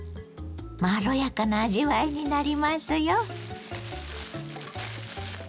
まろやかな味わいになりますよ。